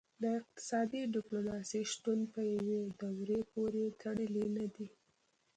د اقتصادي ډیپلوماسي شتون په یوې دورې پورې تړلی نه دی